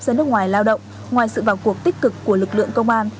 ra nước ngoài lao động ngoài sự vào cuộc tích cực của lực lượng công an